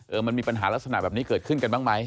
มันมีปัญหาลักษณะแบบนี้เกิดขึ้นกันบ้างไหม